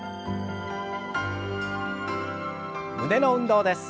胸の運動です。